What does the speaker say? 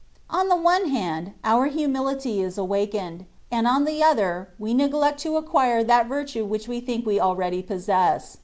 On the one hand, our humility is awakened, and on the other we neglect to acquire that virtue which we think we already possess.